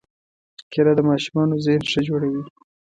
کېله د ماشومانو ذهن ښه جوړوي.